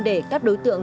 từ các tri bộ